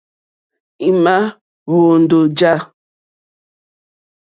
Í má ǃhwóndó ǃjá.